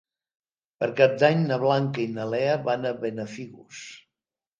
Per Cap d'Any na Blanca i na Lea van a Benafigos.